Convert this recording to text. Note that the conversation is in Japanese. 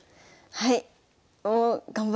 はい。